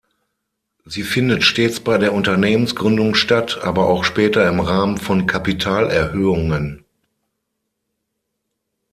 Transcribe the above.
Sie findet stets bei der Unternehmensgründung statt, aber auch später im Rahmen von Kapitalerhöhungen.